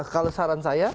kalau saran saya